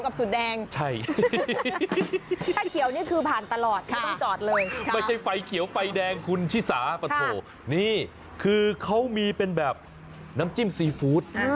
แบบนี้คือเขามีเป็นแบบน้ำจิ้มซีฟู้ด